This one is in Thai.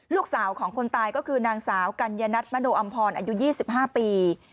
ลูกสาวของคนตายก็คือนางสาวกัญญนัทมโนอำพรอายุ๒๕ปี